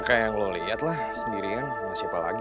ya kayak yang lo liat lah sendirian sama siapa lagi